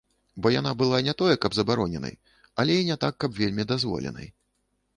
Бо яна была не тое каб забароненай, але і не так каб вельмі дазволенай.